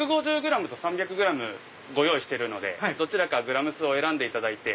１５０ｇと３００ｇご用意してるのでどちらかを選んでいただいて。